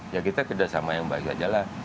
ya kita kerjasama yang baik aja lah